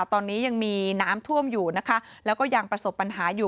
ตอนนี้มีน้ำถ้วมอยู่นะคะและยังประสบปัญหาอยู่